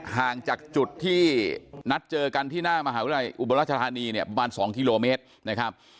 ห่างจากจุดที่นัดเจอกันที่หน้ามหาวิทยาลัยอุบลรัชธานีเนี่ยประมาณ๒กิโลเมตรนะครับ